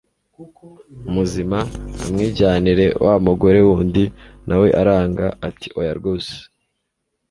muzima amwijyanire wa mugore wundi na we aranga atioya rwose